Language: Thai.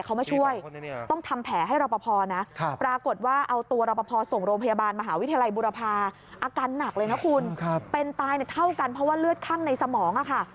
ตายเหนือกหักเลยนะคุณเป็นตายเท่ากันเพราะว่าเลือดขั่งในสมองค่ะ